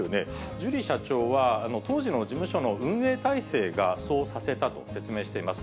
ジュリー社長は当時の事務所の運営体制がそうさせたと説明しています。